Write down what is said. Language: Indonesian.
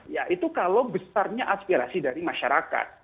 ya itu kalau besarnya aspirasi dari masyarakat